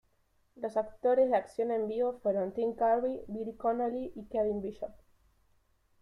Los actores de acción en vivo fueron Tim Curry, Billy Connolly y Kevin Bishop.